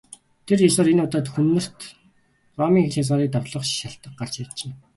Тэр ёсоор энэ удаад Хүн нарт Ромын хил хязгаарыг довтлох шалтаг гарч иржээ.